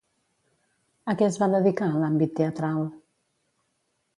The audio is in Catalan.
A què es va dedicar en l'àmbit teatral?